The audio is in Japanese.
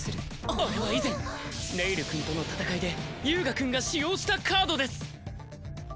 あれは以前ネイルくんとの戦いで遊我くんが使用したカードです！